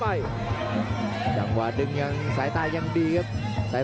พยายามจะไถ่หน้านี่ครับการต้องเตือนเลยครับ